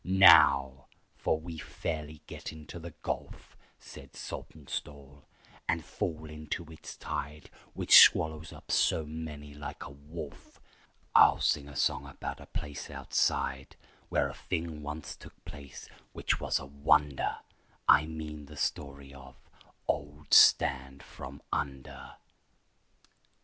"Now, 'fore we fairly get into the Gulf," Said Saltonstall, "and fall into its tide, Which swallows up so many like a wolf, I'll sing a song about a place outside, Where a thing once took place which was a wonder— I mean the story of 'Old Stand from Under.